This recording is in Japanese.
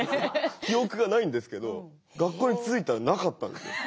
記憶がないんですけど学校に着いたらなかったんですよ。